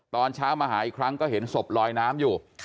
ตอนเช้ามาหาอีกครั้งก็เห็นศพลอยน้ำอยู่